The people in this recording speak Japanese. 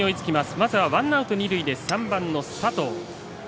まずはワンアウト、二塁で３番の佐藤。